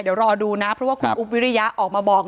ถ้าใครอยากรู้ว่าลุงพลมีโปรแกรมทำอะไรที่ไหนยังไง